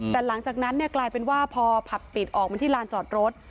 แต่หลังจากนั้นกลายเป็นว่าพอผับปิดออกมาที่ลานจอดรถ